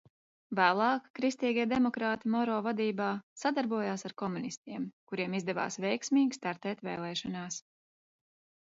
Vēlāk kristīgie demokrāti Moro vadībā sadarbojās ar komunistiem, kuriem izdevās veiksmīgi startēt vēlēšanās.